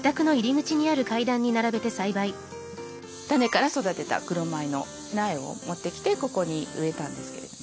種から育てた黒米の苗を持ってきてここに植えたんですけれどもね。